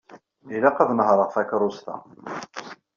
Ilaq ad nehṛeɣ takeṛṛust-a.